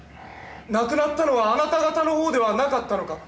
亡くなったのはあなた方の方ではなかったのか。